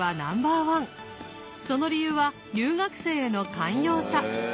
その理由は留学生への寛容さ。